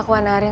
aku njay disini